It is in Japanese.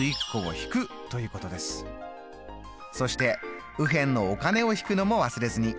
そして右辺のお金を引くのも忘れずに。